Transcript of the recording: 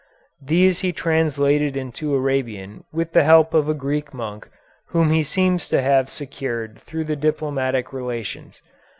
These he translated into Arabian with the help of a Greek monk, whom he seems also to have secured through the diplomatic relations.